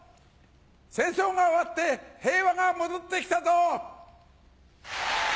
戦争が終わって平和が戻ってきたぞ！